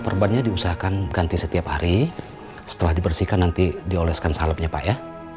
perbannya diusahakan ganti setiap hari setelah dibersihkan nanti dioleskan salepnya pak ya